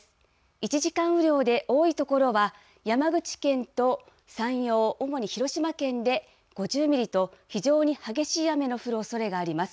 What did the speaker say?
１時間雨量で多い所は山口県と山陽、主に広島県で５０ミリと、非常に激しい雨の降るおそれがあります。